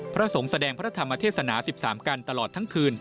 พระสงฆ์แสดงพระธรรมเทศนา๑๓กันตลอดทั้งคืน